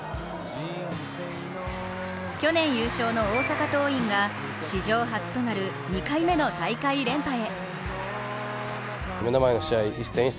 去年優勝の大阪桐蔭が史上初となる２回目の大会連覇へ。